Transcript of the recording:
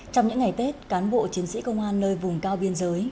trong những ngày tết cán bộ chiến sĩ công an nơi vùng cao biên giới